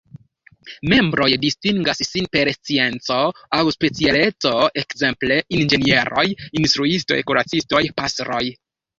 Membroj distingas sin per scienco aŭ specialeco, ekzemple inĝenieroj, instruistoj, kuracistoj, pastroj.